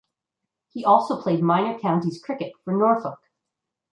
He also played Minor Counties cricket for Norfolk.